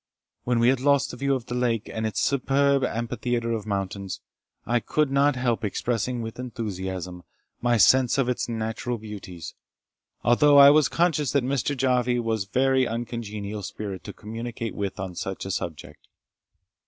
When we had lost the view of the lake, and its superb amphitheatre of mountains, I could not help expressing with enthusiasm, my sense of its natural beauties, although I was conscious that Mr. Jarvie was a very uncongenial spirit to communicate with on such a subject.